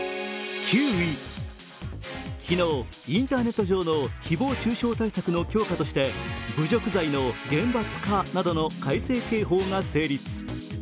昨日、インターネット上の誹謗中傷対策の強化として侮辱罪の厳罰化などの改正刑法が成立。